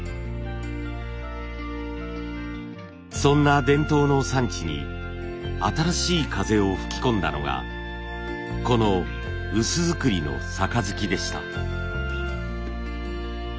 そんな伝統の産地に新しい風を吹き込んだのがこの薄作りの盃でした。